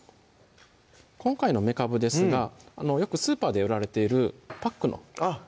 今回のめかぶですがよくスーパーで売られているパックのあっ